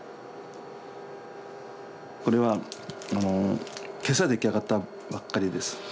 これは今朝出来上がったばっかりです。